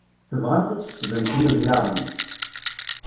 Tebɣamt ad tkesbemt imelyaṛen.